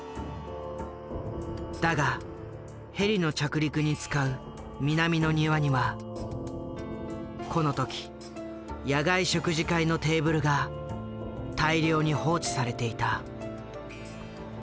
だがヘリの着陸に使う南の庭にはこの時野外食事会のテーブルが大量に放置されていた。